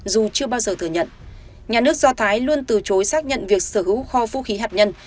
dù chưa bao giờ thừa nhận nhà nước do thái luôn từ chối xác nhận việc sở hữu kho vũ khí hạt nhân